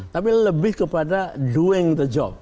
tapi lebih kepada doing the job